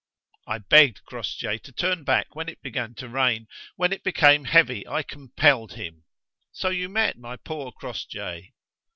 I begged Crossjay to turn back when it began to rain: when it became heavy I compelled him. So you met my poor Crossjay?"